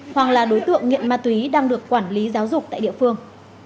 hoàng là đối tượng nghiện ma túy đang được quản lý giáo dục tại địa phương